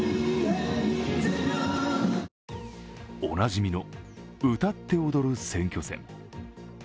おなじみの歌って踊る選挙戦。